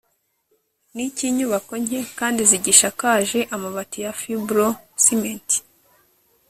ni icy’inyubako nke kandi zigishakaje amabati ya Fibro-ciment